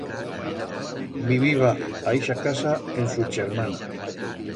Viviba a ixa casa en su chermana.